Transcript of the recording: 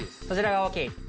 そちらが大きい？